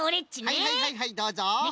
はいはいはいはいどうぞ！